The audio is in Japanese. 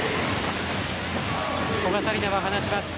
古賀紗理那は話します。